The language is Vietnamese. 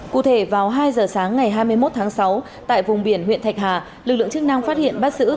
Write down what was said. cụ thể vào hai giờ sáng ngày hai mươi một tháng sáu tại vùng biển huyện thạch hà lực lượng chức năng phát hiện bắt giữ